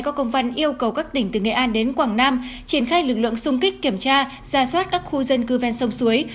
có công văn yêu cầu các tỉnh từ nghệ an đến quảng nam triển khai lực lượng xung kích kiểm tra ra soát các khu dân cư ven sông suối